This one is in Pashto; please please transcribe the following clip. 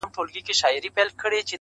بې سپرلیه بې بارانه ګلان شنه کړي,